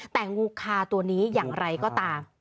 แต่งูคาตัวนี้อย่างไรก็ตาม